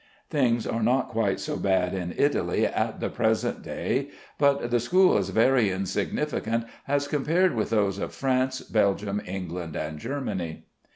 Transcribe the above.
Things are not quite so bad in Italy at the present day, but the school is very insignificant as compared with those of France, Belgium, England, and Germany.